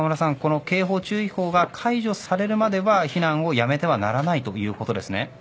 この警報と注意報が解除されるまでは避難をやめてはならないということですね。